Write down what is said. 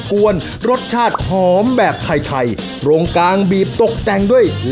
ส่วนข้างในเนี่ยเขาเป็นแบบว่า